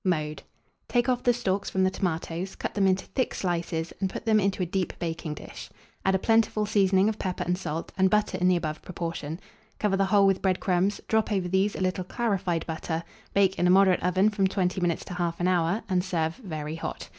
Mode. Take off the stalks from the tomatoes; cut them into thick slices, and put them into a deep baking dish; add a plentiful seasoning of pepper and salt, and butter in the above proportion; cover the whole with bread crumbs; drop over these a little clarified butter; bake in a moderate oven from 20 minutes to 1/2 hour, and serve very hot.